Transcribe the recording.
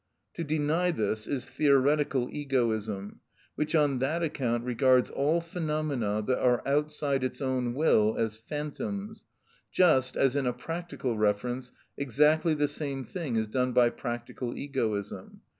To deny this is theoretical egoism, which on that account regards all phenomena that are outside its own will as phantoms, just as in a practical reference exactly the same thing is done by practical egoism.